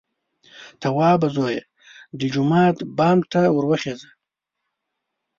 _توابه زويه! د جومات بام ته ور وخېژه!